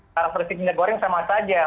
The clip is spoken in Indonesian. para peserta minyak goreng sama saja